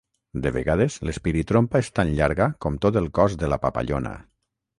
De vegades, l'espiritrompa és tan llarga com tot el cos de la papallona.